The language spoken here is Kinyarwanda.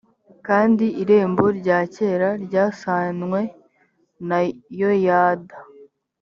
kandi irembo rya kera ryasanwe na yoyada